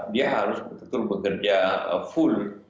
dia harus betul betul bekerja full